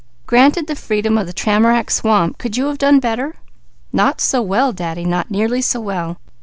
"Granted the freedom of the tamarack swamp, could you have done better?" "Not so well, Daddy! Not nearly so well.